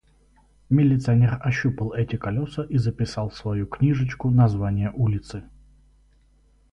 Милиционер ощупал эти колёса и записал в свою книжечку название улицы.